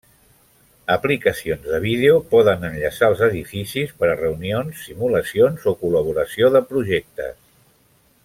Aplicacions de vídeo poden enllaçar els edificis per a reunions, simulacions o col·laboració de projectes.